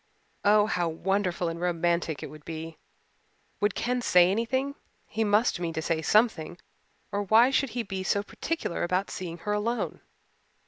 Oh, how wonderful and romantic it would be! Would Ken say anything he must mean to say something or why should he be so particular about seeing her alone?